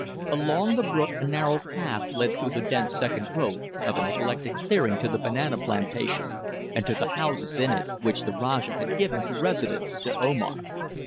Along the brook a narrow path led through the dense second growth of a neglected clearing to the banana plantation and to the houses in it which the Rajah had given for residence to Omar.